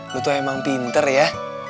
lu tuh emang pinter ya